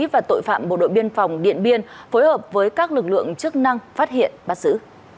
và tội phạm bộ đội biên phòng điện biên phối hợp với các lực lượng chức năng phát hiện bắt xử